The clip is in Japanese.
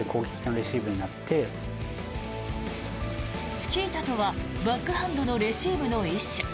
チキータとはバックハンドのレシーブの一種。